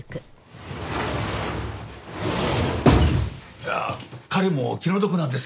いや彼も気の毒なんです。